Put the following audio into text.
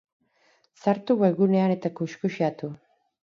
Sartu webgunean eta kuxkuxeatu!